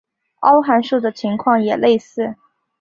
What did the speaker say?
凹函数的情况也类似。